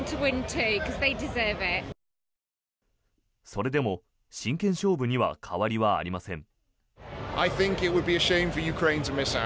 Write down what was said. それでも真剣勝負には変わりはありません。